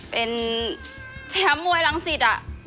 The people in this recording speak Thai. เป็นชามมวยหลังศิษฐ์อ่ะ